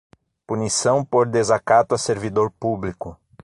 Punição por desacato a servidor público